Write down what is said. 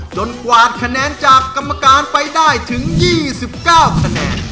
จนกวาดคะแนนจากกรรมการไปได้ถึงยี่สิบเก้าคะแนน